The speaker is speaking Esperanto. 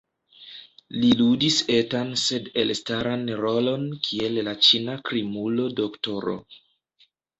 Li ludis etan sed elstaran rolon kiel la Ĉina krimulo Dro.